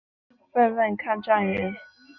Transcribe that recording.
问问看站员